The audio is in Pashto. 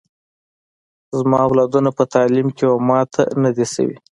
زما اولادونه په تعلیم کي و ماته نه دي سوي